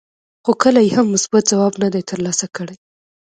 خو کله یې هم مثبت ځواب نه دی ترلاسه کړی.